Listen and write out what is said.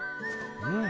うん。